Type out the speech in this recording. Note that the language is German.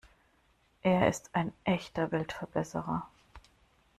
Er ist ein echter Weltverbesserer.